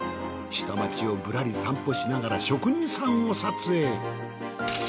下町をぶらり散歩しながら職人さんを撮影。